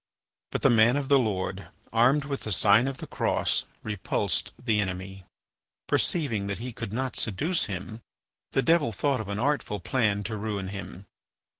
But the man of the Lord, armed with the sign of the Cross, repulsed the enemy. Perceiving that he could not seduce him, the devil thought of an artful plan to ruin him.